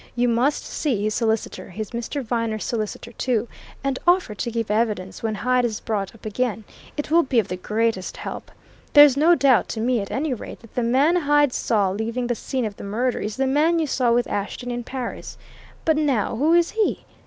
"You must see his solicitor he's Mr. Viner's solicitor too and offer to give evidence when Hyde's brought up again; it will be of the greatest help. There's no doubt, to me, at any rate, that the man Hyde saw leaving the scene of the murder is the man you saw with Ashton in Paris. But now, who is he?